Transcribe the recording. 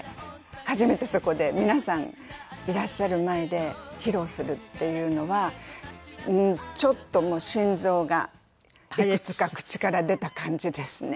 初めてそこで皆さんいらっしゃる前で披露するっていうのはちょっともう心臓がいくつか口から出た感じですね。